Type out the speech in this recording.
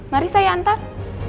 mari saya antar